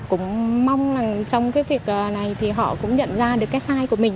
cũng mong rằng trong cái việc này thì họ cũng nhận ra được cái sai của mình